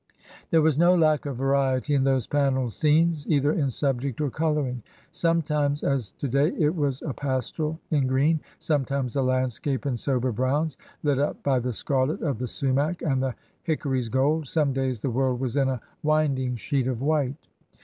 There was no lack of variety in those paneled scenes, either in subject or coloring. Sometimes, as to day, it was a pastoral in green ; sometimes, a landscape in sober browns, lit up by the scarlet of the sumac and the hick ory's gold ; some days the world was in a winding sheet of white.